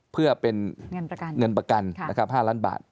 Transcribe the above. เพื่อเป็นเงินประกัน๕ล้านบาท